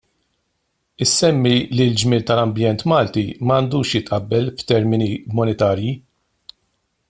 Isemmi li l-ġmiel tal-ambjent Malti m'għandux jitqabbel f'termini monetarji.